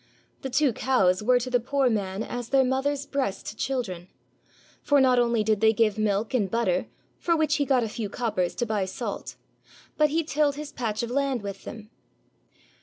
The two cows were to the poor man as their mother's breast to children ; for not only did they give milk and butter, for which he got a few coppers to buy salt, but he tilled his patch of land with them.